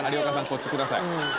こっちください